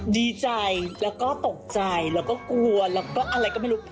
ดีใจแล้วก็ตกใจแล้วก็กลัวแล้วก็อะไรก็ไม่รู้